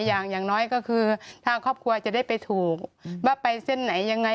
อย่างอย่างน้อยก็คือทางครอบครัวจะได้ไปถูกว่าไปเส้นไหนยังไง